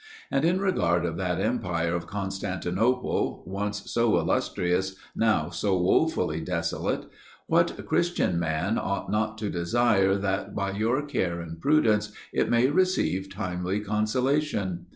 And, in regard of that empire of Constantinople, once so illustrious, now so wofully desolate, what Christian man ought not to desire that, by your care and prudence, it may receive timely consolation?